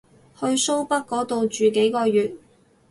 去蘇北嗰度住幾個月